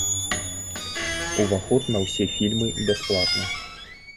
Уваход на ўсе фільмы бясплатны.